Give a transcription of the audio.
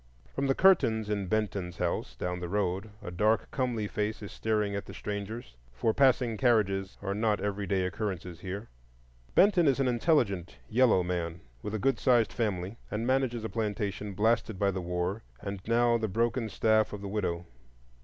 From the curtains in Benton's house, down the road, a dark comely face is staring at the strangers; for passing carriages are not every day occurrences here. Benton is an intelligent yellow man with a good sized family, and manages a plantation blasted by the war and now the broken staff of the widow.